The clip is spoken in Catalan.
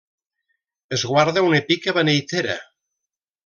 Es guarda una pica beneitera.